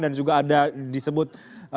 dan juga ada disebut